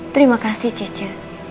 terima kasih cicu